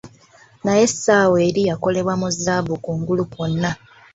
naye essaawa eri yakolebwa mu zzaabu kungulu kwonna.